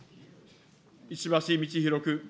石橋通宏君。